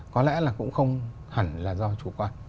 có lẽ cũng không hẳn là do chủ quan